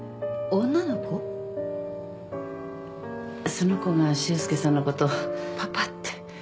その子が修介さんのことパパって。